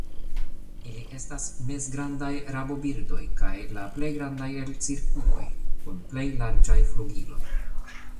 Ili estas mezgrandaj rabobirdoj kaj la plej grandaj el cirkuoj, kun plej larĝaj flugiloj.